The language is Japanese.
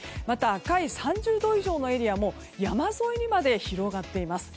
赤い３０度以上のエリアも山沿いにまで広がっています。